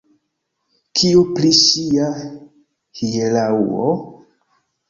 Kio pri ŝia hieraŭo?